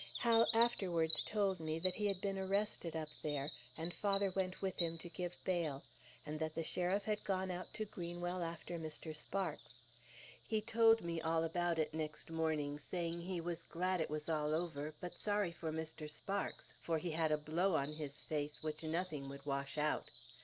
Hal afterwards told me that he had been arrested up there, and father went with him to give bail; and that the sheriff had gone out to Greenwell after Mr. Sparks. He told me all about it next morning, saying he was glad it was all over, but sorry for Mr. Sparks; for he had a blow on his face which nothing would wash out.